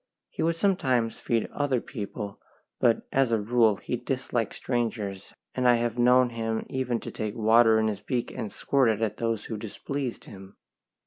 He would sometimes feed other people, but as a rule he disliked strangers, and I have known him even take water in his beak and squirt it at those who displeased him.